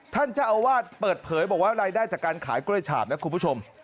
ท่านเจ้าอาวาสเปิดเผยบอกว่ารายได้จากการขายกล้วยฉาบนะคุณผู้ชม